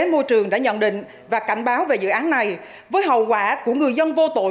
môi trường đã nhận định và cảnh báo về dự án này với hậu quả của người dân vô tội